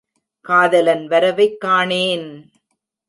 காதலன் வரவைக் காணேன்!